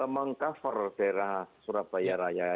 meng cover daerah surabaya raya